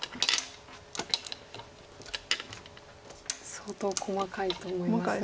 相当細かいと思いますが。